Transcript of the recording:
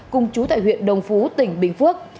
cùng trú tại huyện đồng phú tp đồng xoài